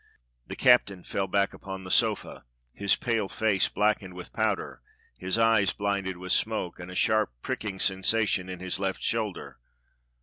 The captain fell back upon the sofa, his pale face blackened with powder, his eyes blinded with smoke, and a sharp, pricking sensation in his left shoulder.